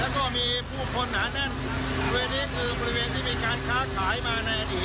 แล้วก็มีผู้คนหนาแน่นบริเวณนี้คือบริเวณที่มีการค้าขายมาในอดีต